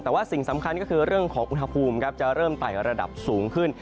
แต่ว่าสิ่งสำคัญก็คือเรื่องของอุณหภูมิจะเริ่มไต่ระดับสูงขึ้น